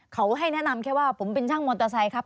เขาให้แนะนำแค่ว่าผมเป็นช่างมอเตอร์ไซค์ครับ